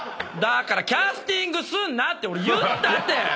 キャスティングすんなって俺言ったって！